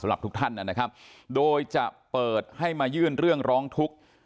ทุกท่านนะครับโดยจะเปิดให้มายื่นเรื่องร้องทุกข์